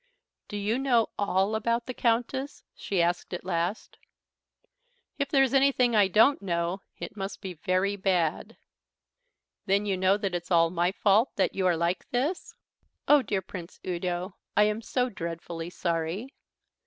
"Do you know all about the Countess?" she asked at last. "If there's anything I don't know, it must be very bad." "Then you know that it's all my fault that you are like this? Oh, dear Prince Udo, I am so dreadfully sorry."